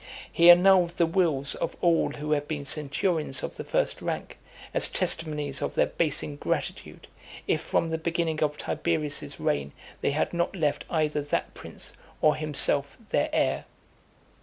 He annulled the wills of all who had been centurions of the first rank, as testimonies of their base ingratitude, if from the beginning of Tiberius's reign they had not left either that prince or himself their heir.